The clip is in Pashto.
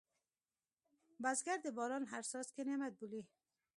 بزګر د باران هر څاڅکی نعمت بولي